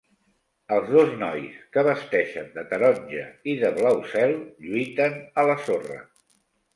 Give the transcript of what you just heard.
Els dos nois, que vesteixen de taronja i de blau cel, lluiten a la sorra.